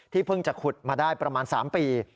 เพิ่งจะขุดมาได้ประมาณ๓ปี